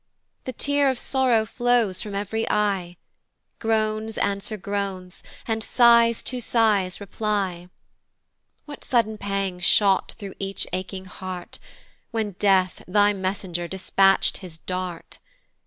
The tear of sorrow flows from ev'ry eye, Groans answer groans, and sighs to sighs reply; What sudden pangs shot thro' each aching heart, When, Death, thy messenger dispatch'd his dart?